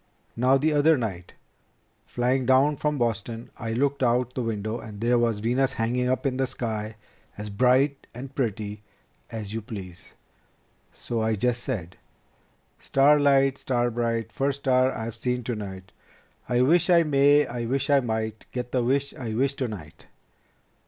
Now the other night, flying down from Boston, I looked out the window and there was Venus hanging up in the sky as bright and pretty as you please. So I just said, 'Star light, star bright, first star I've seen tonight, I wish I may, I wish I might get the wish I wish tonight